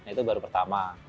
itu baru pertama